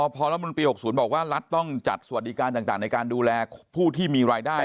พอรัฐมนตรี๖๐บอกว่ารัฐต้องจัดสวัสดิการต่างในการดูแลผู้ที่มีรายได้